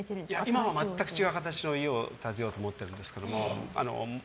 今は全く違う形の家を建てようと思ってるんですけど。